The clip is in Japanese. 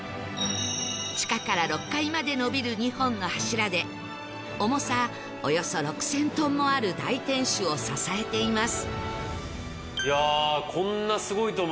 地下から６階まで伸びる２本の柱で重さおよそ６０００トンもある大天守を支えています